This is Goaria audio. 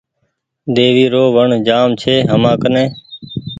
ۮيوي رو وڻ جآم ڇي همآ ڪني